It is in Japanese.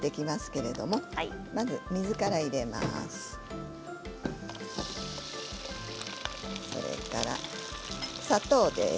それから砂糖です。